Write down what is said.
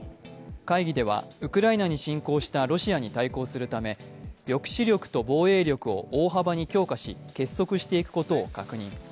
会議ではウクライナに侵攻したロシアに対抗するため、抑止力と防衛力を大幅に強化し結束していくことを確認。